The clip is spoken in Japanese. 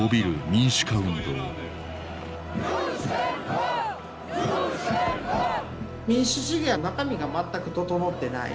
民主主義は中身が全く整ってない。